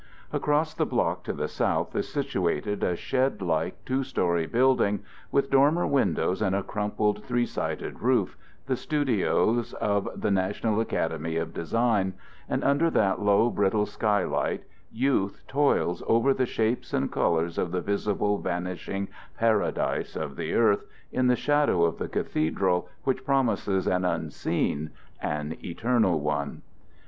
Across the block to the south is situated a shed like two story building with dormer windows and a crumpled three sided roof, the studios of the National Academy of Design; and under that low brittle skylight youth toils over the shapes and colors of the visible vanishing paradise of the earth in the shadow of the cathedral which promises an unseen, an eternal one.